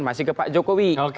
masih ke pak jokowi